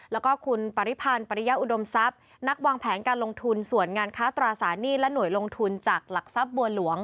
แล้วก็คุณปริพันธ์ปริยาอุดมทรัพย์นักวางแผนการลงทุนส่วนงานค้าตราสารหนี้และหน่วยลงทุนจากหลักทรัพย์บัวหลวง